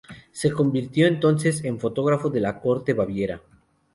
Se convirtió entonces en fotógrafo de la corte de Baviera.